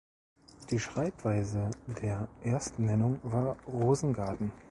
Die Schreibweise der Erstnennung war "Rosengarten".